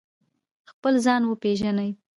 خپل ځان وپیژنئ